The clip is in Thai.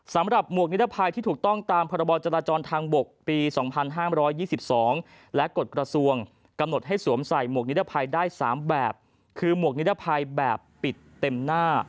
หมวกนิรภัยที่ถูกต้องตามพรบจราจรทางบกปี๒๕๒๒และกฎกระทรวงกำหนดให้สวมใส่หมวกนิรภัยได้๓แบบคือหมวกนิรภัยแบบปิดเต็มหน้า